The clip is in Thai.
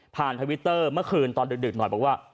ทวิตเตอร์เมื่อคืนตอนดึกหน่อยบอกว่า